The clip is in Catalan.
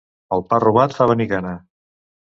El pa robat fa venir gana.